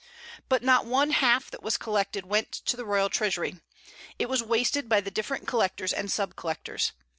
But not one half that was collected went to the royal treasury; it was wasted by the different collectors and sub collectors.